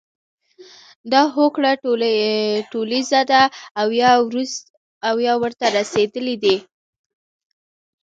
دا هوکړه ټولیزه ده او یا ورته رسیدلي دي.